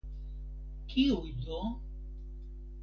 Kiuj do?